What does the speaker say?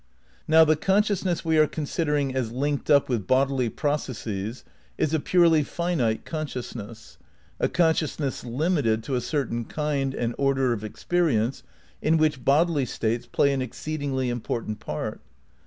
Now the consciousness we are considering as linked up with bodily processes is a purely finite conscious ness, a consciousness limited to a certain kind and order of experience in which bodily states play an exceedingly important part.